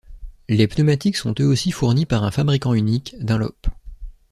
Les pneumatiques sont eux aussi fournis par un fabricant unique, Dunlop.